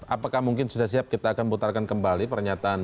apakah mungkin sudah siap kita akan putarkan kembali pernyataan